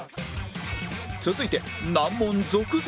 続いて難問続々！